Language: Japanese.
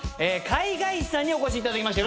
貝ヶ石さんにお越しいただきました